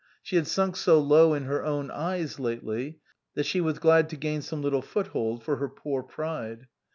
She had sunk so low in her own eyes lately that she was glad to gain some little foothold for her poor pride.